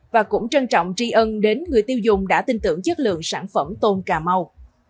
và cũng trân trọng tri ân đến người tiêu dùng đã tin tưởng chất lượng sản phẩm tôm cà mau